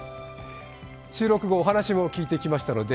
収録後、お話も聞いてきました。